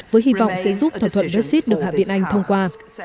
với hy vọng sẽ giúp thỏa thuận brexit được hạ viện anh thông qua